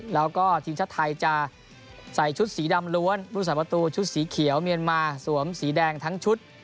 แล้วก็ทีมชาติไทยจะใส่ชุดสีดำล้วนผู้สาประตูชุดสีเขียวเมียนมาสวมสีแดงทั้งชุด